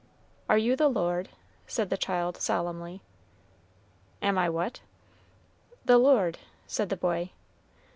"Are you the Lord?" said the child, solemnly. "Am I what?" "The Lord," said the boy.